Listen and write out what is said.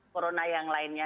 corona yang lainnya